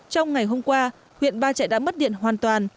trong ngày hôm qua huyện ba trẻ đã mất điện hoàn toàn